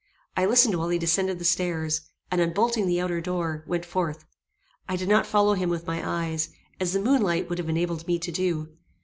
I listened while he descended the stairs, and, unbolting the outer door, went forth. I did not follow him with my eyes, as the moon light would have enabled me to do.